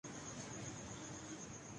روزگار کے نئے مواقع پیدا کرتی ہے۔